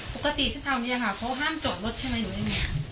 ปกติที่เท่านี้ค่ะเขาห้ามจอดรถใช่ไหมอยู่ด้วยไหมค่ะ